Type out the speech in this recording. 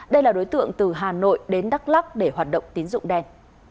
đây là đối tượng từ hà nội đến đắk lắc để hoạt động tín dụng đen